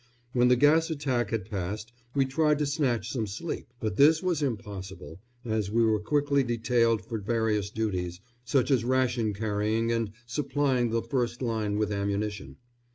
When the gas attack had passed we tried to snatch some sleep, but this was impossible, as we were quickly detailed for various duties, such as ration carrying and supplying the first line with ammunition.